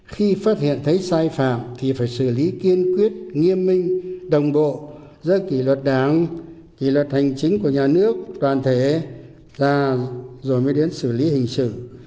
khi phát hiện thấy sai phạm thì phải xử lý kiên quyết nghiêm minh đồng bộ giữa kỳ luật đảng kỷ luật hành chính của nhà nước toàn thể là rồi mới đến xử lý hình sự